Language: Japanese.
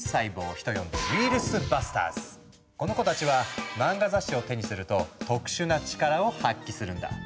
人呼んでこの子たちは漫画雑誌を手にすると特殊な力を発揮するんだ。